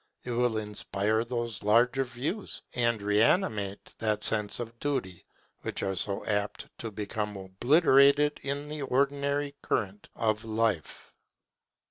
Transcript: It will inspire those larger views, and reanimate that sense of duty, which are so apt to become obliterated in the ordinary current of life.